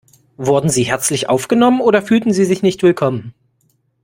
Wurden Sie herzlich aufgenommen oder fühlten Sie sich nicht willkommen?